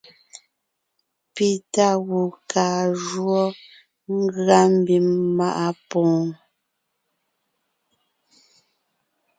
Pi tá gù kaa jǔɔ ngʉa mbím maʼa pwoon.